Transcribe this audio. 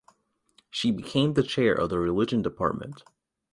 She became the Chair of the Religion Department.